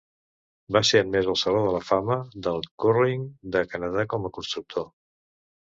Va ser admès al Saló de la Fama del Curling de Canadà com a constructor.